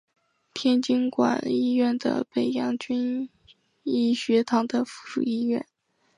天津官医院是北洋军医学堂的附属医院。